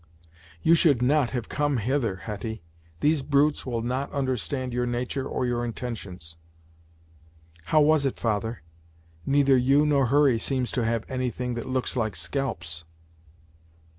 "You should not have come hither, Hetty; these brutes will not understand your nature or your intentions!" "How was it, father; neither you nor Hurry seems to have any thing that looks like scalps."